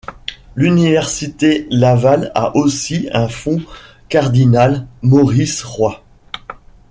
L'université Laval a aussi un fonds Cardinal-Maurice-Roy.